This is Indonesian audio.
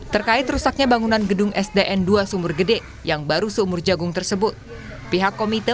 terkait rusaknya bangunan gedung sdn dua sumur gede yang baru seumur jagung tersebut pihak komite